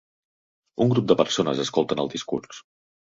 Un grup de persones escolten el discurs.